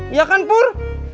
iya kan pur